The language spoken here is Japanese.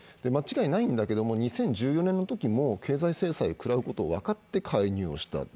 間違いないんだけど、２０１４年のときも経済制裁を食らうことを分かって介入した。